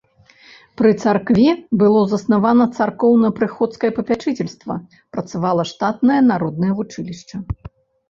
Пры царкве было заснавана царкоўна-прыходскае папячыцельства, працавала штатнае народнае вучылішча.